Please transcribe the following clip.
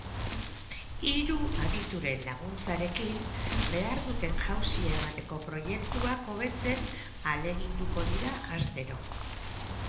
Hiru adituren laguntzarekin, behar duten jauzia emateko proiektuak hobetzen ahaleginduko dira astero.